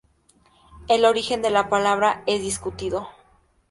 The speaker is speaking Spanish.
El origen de la palabra es discutido.